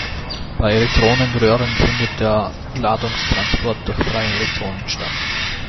Bei Elektronenröhren findet der Ladungstransport durch freie Elektronen statt.